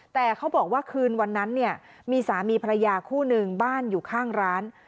แต่เขาบอกว่าคืนวันนั้นเนี่ยมีสามีภรรยาคู่หนึ่งบ้านอยู่ข้างร้าน